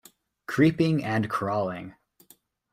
Creeping and crawling